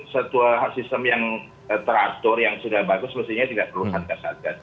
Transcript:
setelah sistem yang teratur yang sudah bagus mestinya tidak perlu hadir kasus